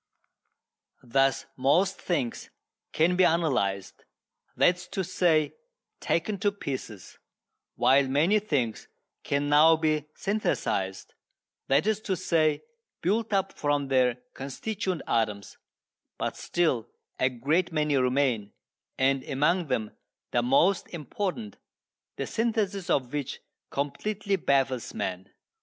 Thus most things can be analysed that is to say, taken to pieces while many things can now be synthesised that is to say, built up from their constituent atoms but still a great many remain, and among them the most important, the synthesis of which completely baffles man.